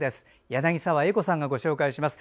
柳澤英子さんがご紹介します。